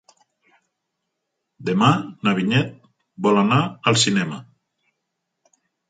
Demà na Vinyet vol anar al cinema.